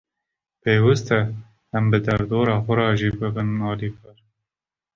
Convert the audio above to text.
Pêwîst e em bi derdora xwe re jî bibin alîkar.